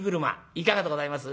いかがでございます？」。